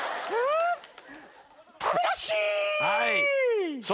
食べなっし！